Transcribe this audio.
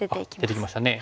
出てきましたね。